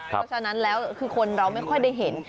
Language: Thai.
เพราะฉะนั้นแล้วคือคนเราไม่ค่อยได้เห็น